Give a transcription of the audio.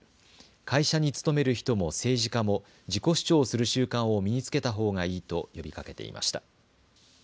会社に勤める人も政治家も自己主張をする習慣を身につけたほうがいいと呼びかけていました。